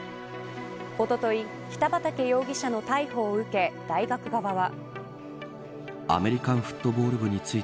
おととい北畠容疑者の逮捕を受け大学側は。